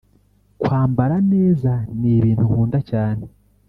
kwambara neza n’ibintu nkunda cyane